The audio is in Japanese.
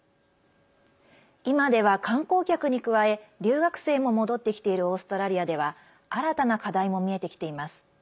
今では観光客に加え留学生も戻ってきているオーストラリアでは新たな課題も見えてきています。